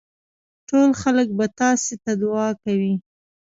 ټول خلک به تاسي ته دعا کوي.